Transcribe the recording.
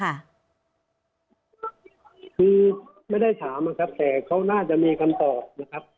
คือไม่ได้ถามนะครับแต่เขาน่าจะมีคำตอบนะครับ